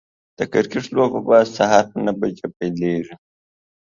د کرکټ لوبه به د سهار په نهه پيليږي